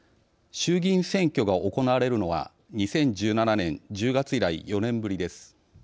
衆議院選挙が行われるのは２０１７年１０月以来４年ぶりです。